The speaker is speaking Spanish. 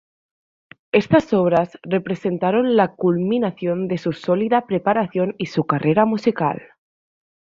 Estas obras representaron la culminación de su sólida preparación y su carrera musical.